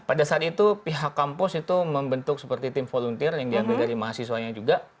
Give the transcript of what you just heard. pada saat itu pihak kampus itu membentuk seperti tim volunteer yang diambil dari mahasiswanya juga